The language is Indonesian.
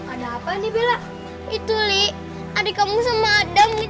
ada apa dia bilang itu li adik kamu sama adam